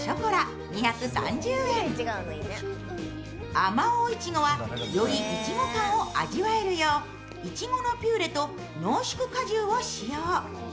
あまおう苺は、よりいちご感を味わえるよういちごのピューレと濃縮果汁を使用。